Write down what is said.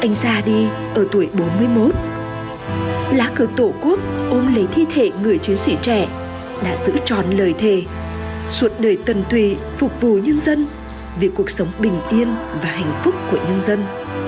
anh xa đi ở tuổi bốn mươi một lá cờ tổ quốc ôm lấy thi thể người chiến sĩ trẻ đã giữ tròn lời thề suốt đời tần tùy phục vụ nhân dân vì cuộc sống bình yên và hạnh phúc của nhân dân